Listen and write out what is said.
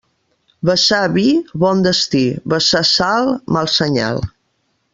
Vessar vi, bon destí; vessar sal, mal senyal.